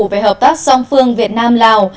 về hợp tác song phương việt nam lào